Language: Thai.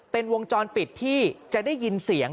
เป็นวงจรปิดที่จะได้ยินเสียง